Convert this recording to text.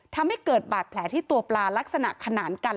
ทำให้เกิดบาดแผลที่ตัวปลาลักษณะขนานกัน